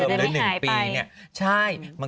สิ่งมันจะได้ไม่หายไป